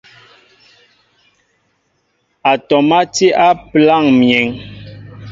Atɔm á ti á pəláŋ myēn.